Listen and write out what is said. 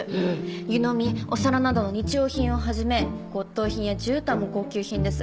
湯飲みお皿などの日用品を始め骨董品やじゅうたんも高級品です。